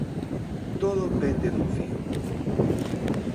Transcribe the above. Todo pende dun fío.